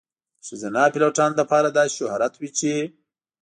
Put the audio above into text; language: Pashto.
د ښځینه پیلوټانو لپاره داسې شهرت وي چې .